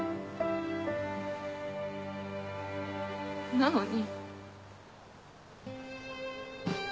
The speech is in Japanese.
なのに。